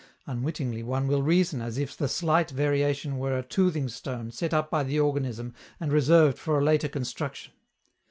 Unwittingly one will reason as if the slight variation were a toothing stone set up by the organism and reserved for a later construction.